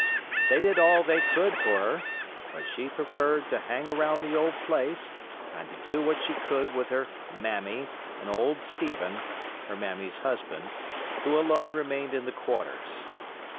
They did all they could for her, but she preferred to hang around the old place, and to do what she could with her "mammy", and "old Stephen", her mammy's husband, who alone remained in the quarters.